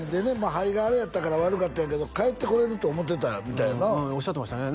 肺があれやったから悪かったんやけど帰ってこれると思ってたみたいやなおっしゃってましたね